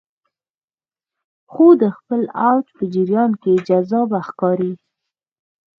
خو د خپل اوج په جریان کې جذابه ښکاري